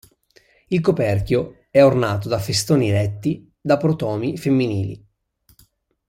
Il coperchio è ornato da festoni retti da protomi femminili.